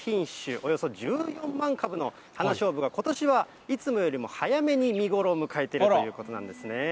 およそ１４万株の花しょうぶが、ことしはいつもよりも早めに見頃を迎えているということなんですね。